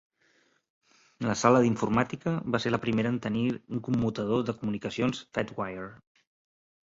La sala d'informàtica va ser la primera en tenir un commutador de comunicacions Fedwire.